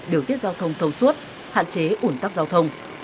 điều tiết giao thông thông suốt hạn chế ủn tắc giao thông